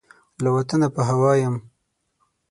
له وطنه په هوا یم